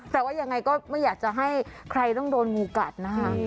แต่ว่ายังไงก็ไม่อยากจะให้ใครต้องโดนงูกัดนะคะ